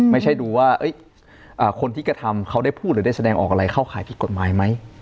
ไม่ใช่ดูว่าคนที่กระทำเขาได้พูดหรือได้แสดงออกอะไรเข้าข่ายผิดกฎหมายไหม